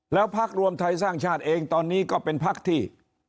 แล้วพักรวมไทยสร้างชาติเองตอนนี้ก็เป็นพักที่